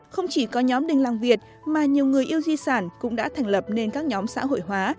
không chỉ có nhóm đình làng việt mà nhiều người yêu di sản cũng đã thành lập nên các nhóm xã hội hóa